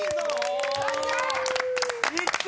いった！